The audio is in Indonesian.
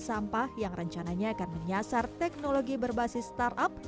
sampah yang rencananya akan menyasar teknologi berbasis startup